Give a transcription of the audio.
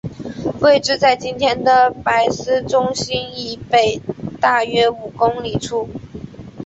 位置在今天的珀斯中心以北大约五公里处。